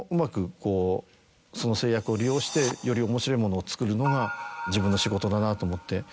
こうその制約を利用してより面白いものを作るのが自分の仕事だなと思って。